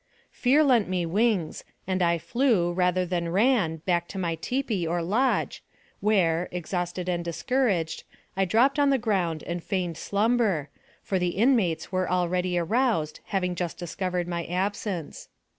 Fear lent me wings, and I flew, rather than ran, back to my tipi, or lodge, where, exhausted and discouraged, I dropped on the ground and feigned slumber, for the inmates were already aroused, having just discovered my absence.